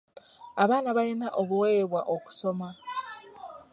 Abaana balina obuweebwa okusoma.